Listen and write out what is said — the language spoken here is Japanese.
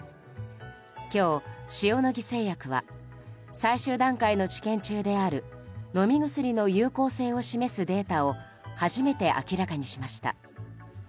今日、塩野義製薬は最終段階の治験中である飲み薬の有効性を示すデータを初めて明らかにしました。